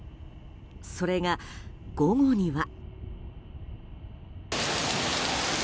それが、午後には。